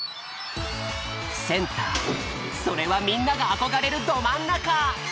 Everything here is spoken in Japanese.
センターそれはみんながあこがれるどまんなか！